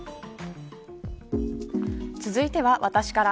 続いては私から。